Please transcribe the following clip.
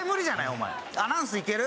お前アナウンスいける？